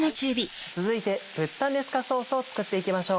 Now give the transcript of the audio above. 続いてプッタネスカソースを作っていきましょう。